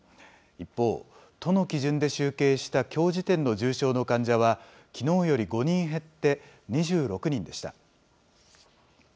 一方、都の基準で集計したきょう時点の重症の患者は、きのうより５人減って、２６人でした。